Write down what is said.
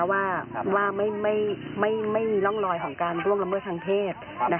ว่าไม่มีร่องรอยของการล่วงละเมิดทางเพศ